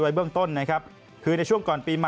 ไว้เบื้องต้นนะครับคือในช่วงก่อนปี